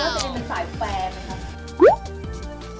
ก็คิดว่าเจนเป็นสายแฟร์มั้ยครับ